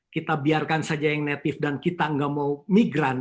kita biarkan saja yang native dan kita nggak mau migran